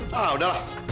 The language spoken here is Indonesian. nah udah lah